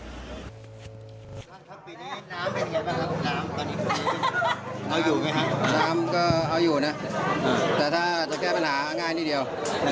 น้ำเป็นอย่างไรบ้างครับน้ำก็เอาอยู่นะแต่ถ้าจะแก้ปัญหาง่ายนิดเดียว